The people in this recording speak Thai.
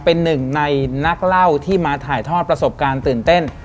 เป็นหนึ่งในนักเล่าที่มาถ่ายทอดประสบการณ์ตื่นเต้น